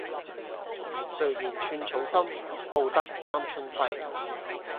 誰言寸草心，報得三春輝？